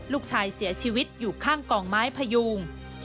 ลูกชายเสียชีวิตอยู่ข้างกองไม้พยูง